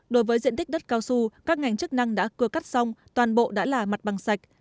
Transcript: đối với diện tích đất cao su các ngành chức năng đã cưa cắt xong toàn bộ đã là mặt bằng sạch